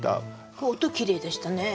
これ音きれいでしたね。